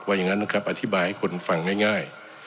อย่างนั้นอธิบายให้คุณฟังง่าย